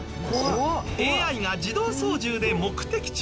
ＡＩが自動操縦で目的地へ。